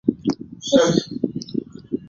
博士蛙国际自此一直因核数问题被停牌。